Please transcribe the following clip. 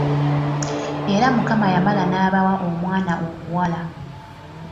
Era Mukama yamala n’abawa omwana omuwala.